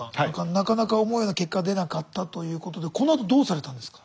なかなか思うような結果が出なかったということでこのあとどうされたんですか？